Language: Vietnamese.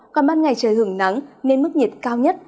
còn ban ngày trời hưởng nắng nên mức nhiệt cao nhất